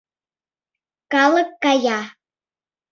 Калык кая.